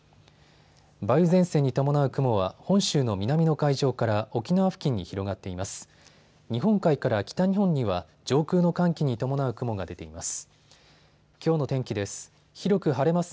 梅雨前線に伴う雲は本州の南の海上から沖縄付近に広がっています。